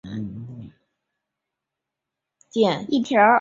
濑见温泉车站是一个仅设有一座侧式月台一条乘车线的小型车站。